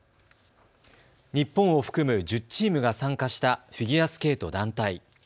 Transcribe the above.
日本を含む１０チームが参加したフィギュアスケート団体。